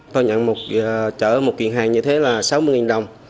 tôi nhận một chuyện hàng như thế là sáu mươi đồng